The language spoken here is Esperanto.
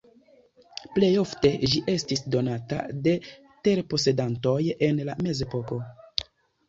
Plej ofte ĝi estis donata de terposedantoj en la Mezepoko.